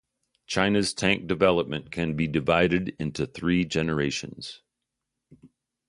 China's tank development can be divided into three generations.